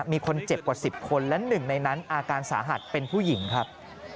มีคนเจ็บกว่า๑๐คนและหนึ่งในนั้นอาการสาหัสเป็นผู้หญิงครับ